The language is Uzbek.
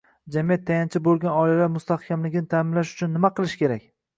Jamiyat tayanchi bo‘lgan oilalar mustahkamligini ta’minlash uchun nima qilish kerak?